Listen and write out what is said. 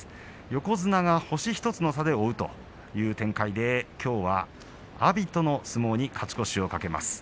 横綱が星１つの差で追うという展開できょうは阿炎との対戦に勝ち越しを懸けます。